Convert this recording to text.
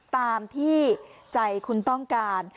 ตามที่ใจคุณต้องการ